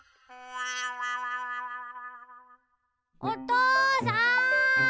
おとうさん！